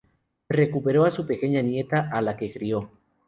Recuperó a su pequeña nieta, a la que crio.